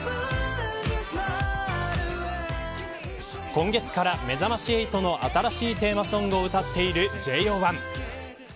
今月から、めざまし８の新しいテーマソングを歌っているＪＯ１。